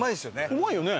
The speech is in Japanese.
うまいよね。